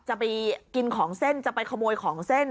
จะไปกินของเส้นจะไปขโมยของเส้น